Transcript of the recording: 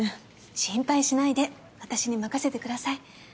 心配しないで私に任せてください。